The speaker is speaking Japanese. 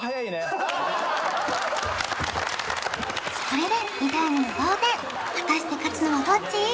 これで２対２の同点果たして勝つのはどっち？